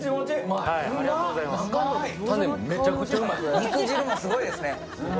肉汁もすごいですね。